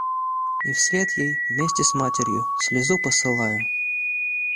И вслед ей, вместе с матерью, слезу посылаю.